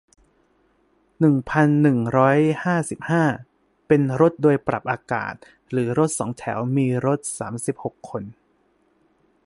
หนึ่งพันหนึ่งร้อยห้าสิบห้า เป็นรถโดยสารปรับอากาศ หรือ รถสองแถว มีรถ สามสิบหก คน